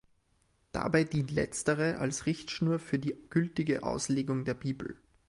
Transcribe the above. Dabei dient letztere als Richtschnur für die gültige Auslegung der Bibel.